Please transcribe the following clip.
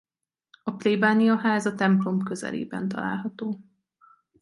A plébániaház a templom közelében található.